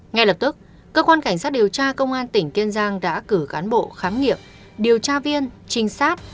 ngay lập tức cơ quan cảnh sát điều tra công an tỉnh kiên giang đã cử cán bộ khám nghiệm điều tra viên trinh sát